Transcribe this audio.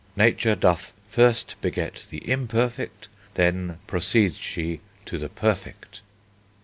Nature doth first beget the imperfect, then Proceeds she to the perfect.